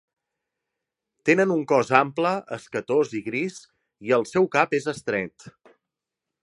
Tenen un cos ample, escatós i gris, i el seu cap és estret.